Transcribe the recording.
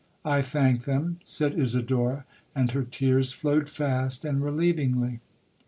'—'I thank them,' said Isidora, and her tears flowed fast and relievingly.